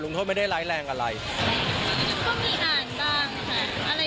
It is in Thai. อะไรที่มันไม่ดีหนูก็ลบคิดกูเลย